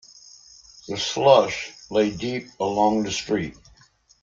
The slush lay deep along the street.